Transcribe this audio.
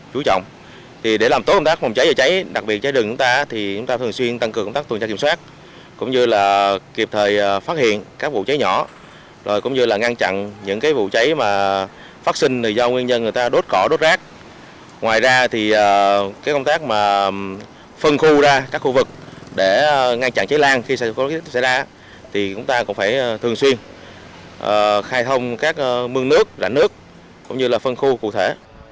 chúng ta cũng phải thường xuyên khai thông các mương nước rảnh nước cũng như là phân khu cụ thể